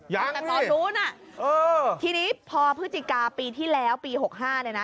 ยังนี่อ่าทีนี้พอพฤติกาปีที่แล้วปี๖๕น่ะนะ